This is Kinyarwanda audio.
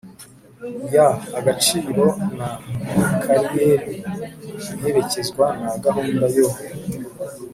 y agaciro na kariyeri iherekezwa na gahunda yo